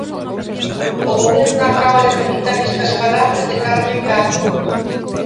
O Goberno acaba de matizar estas palabras de Carmen Calvo.